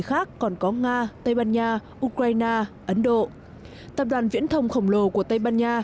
khác còn có nga tây ban nha ukraine ấn độ tập đoàn viễn thông khổng lồ của tây ban nha